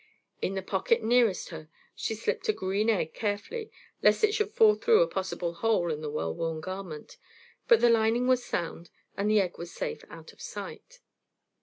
In the pocket nearest her she slipped a green egg carefully lest it fall through a possible hole in the well worn garment, but the lining was sound and the egg was safe out of sight.